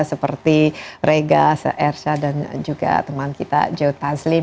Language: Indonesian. seperti regas ersha dan juga teman kita joe taslim